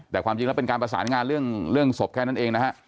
แต่ความจริงแล้วเป็นการประสานงานเรื่องศพแค่นั้นเองนะฮะ